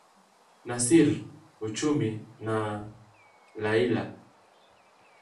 Nassiri Uchumi na Raila